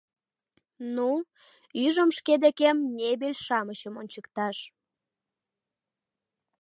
Ну, ӱжым шке декем небель-шамычым ончыкташ...